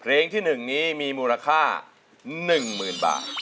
เพลงที่หนึ่งนี้มีมูลค่า๑หมื่นบาท